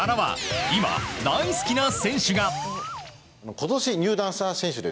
今、大好きな選手が。